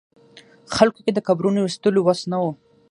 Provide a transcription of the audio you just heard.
خلکو کې د قبرونو ویستلو وس نه و.